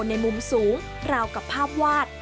ในมุมสูงราวกับภาพวาด